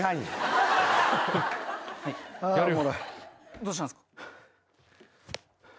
どうしたんすか？